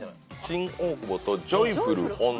新大久保とジョイフル本田。